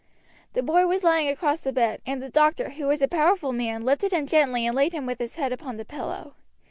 The boy was lying across the bed, and the doctor, who was a powerful man, lifted him gently and laid him with his head upon the pillow.